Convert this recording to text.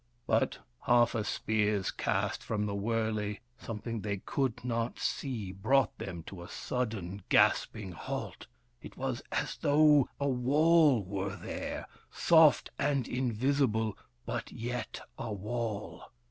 But, half a spear's cast from the wurley, something they could not see brought them to a sudden, gasp ing halt. It was as though a wall were there, soft and invisible, but yet a wall.